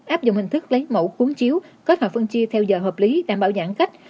áp dụng hình thức lấy mẫu cuốn chiếu kết và phân chia theo giờ hợp lý đảm bảo giãn cách